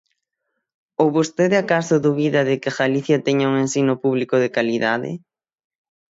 ¿Ou vostede acaso dubida de que Galicia teña un ensino público de calidade?